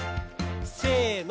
せの。